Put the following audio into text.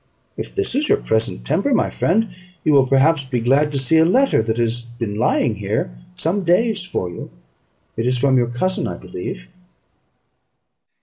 "If this is your present temper, my friend, you will perhaps be glad to see a letter that has been lying here some days for you: it is from your cousin, I believe."